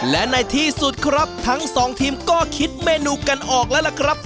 และในที่สุดครับทั้งสองทีมก็คิดเมนูกันออกแล้วล่ะครับ